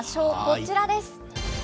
こちらです。